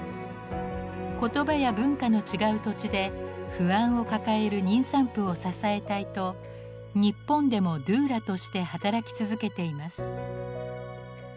言葉や文化の違う土地で不安を抱える妊産婦を支えたいと日本でも「ドゥーラ」として働き続けています。